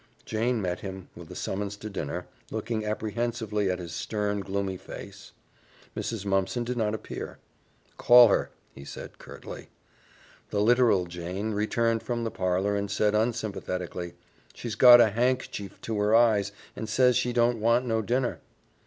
Jane met him with a summons to dinner, looking apprehensively at his stern, gloomy face. Mrs. Mumpson did not appear. "Call her," he said curtly. The literal Jane returned from the parlor and said unsympathetically, "She's got a hank'chif to her eyes and says she don't want no dinner."